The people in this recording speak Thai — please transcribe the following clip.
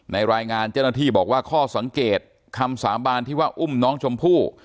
รายงานเจ้าหน้าที่บอกว่าข้อสังเกตคำสาบานที่ว่าอุ้มน้องชมพู่